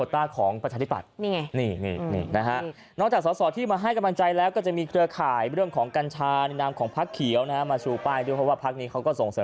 ตอนนี้ก็คือในท้อต้าของประชัยติศัตริย์